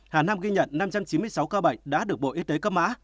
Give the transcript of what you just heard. hà nam ghi nhận năm trăm chín mươi sáu ca bệnh đã được bộ y tế cấp mã